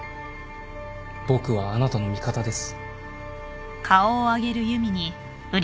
僕はあなたの味方です。